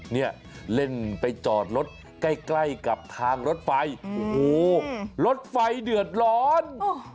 เนี่ยเล่นไปจอดรถใกล้ใกล้กับทางรถไฟโอ้โหรถไฟเดือดร้อน